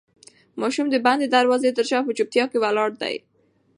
ماشوم د بندې دروازې تر شا په چوپتیا کې ولاړ دی.